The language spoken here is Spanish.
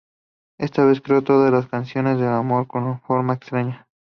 Esta vez, creo, todas son canciones de amor en una forma extraña".